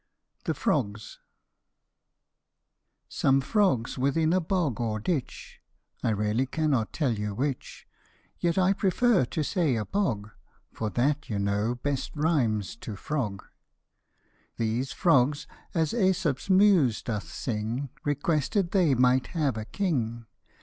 THE FROGS, SOME frogs within a bog or ditch, I really cannot tell you which ; Yet I prefer to say a bog, For that you know best rhymes to frog : These frogs, as .ZEsop's muse doth sing, Requested they might have a king.